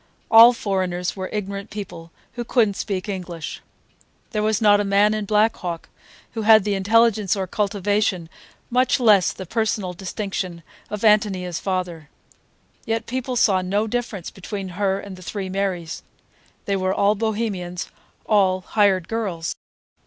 All foreigners were ignorant people who could n't speak English. There was not a man in Black Hawk who had the intelligence or cultivation, much less the personal distinction, of Ántonia's father. Yet people saw no difference between her and the three Marys; they were all Bohemians, all "hired girls."